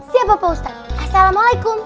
siap bapak ustadz assalamualaikum